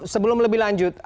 sebelum lebih lanjut